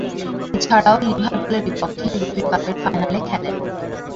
এছাড়াও, লিভারপুলের বিপক্ষে ইউরোপীয় কাপের ফাইনালে খেলেন।